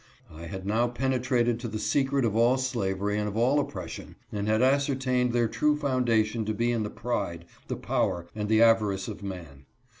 I had now penetrated to the secret of all slavery and of all oppres sion, and had ascertained their true foundation to be in the pride, the power and the avarice of man.